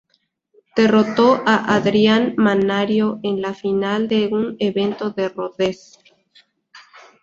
Derrotó a Adrian Mannarino en la final de un evento en Rodez.